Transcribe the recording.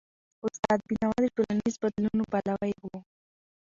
استاد بینوا د ټولنیزو بدلونونو پلوی و.